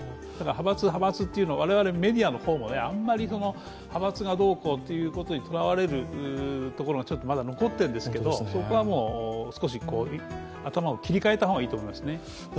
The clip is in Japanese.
派閥というのは、我々メディアも、あまり派閥どうこうというのにとらわれるところがまだ残っているんですがそこが少し頭を切り替えた方がいいと思いますね。